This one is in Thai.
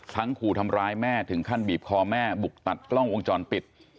ขู่ทำร้ายแม่ถึงขั้นบีบคอแม่บุกตัดกล้องวงจรปิด